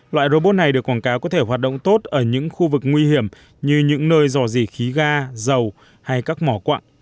loại robot này được quảng cáo có thể hoạt động tốt ở những khu vực nguy hiểm như những nơi dò dỉ khí ga dầu hay các mỏ quặng